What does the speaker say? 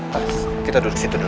pas kita duduk di situ dulu